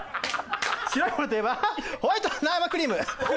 白いものといえばホワイト生クリーム！